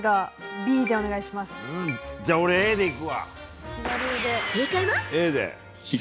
じゃあ俺はＡでいくわ。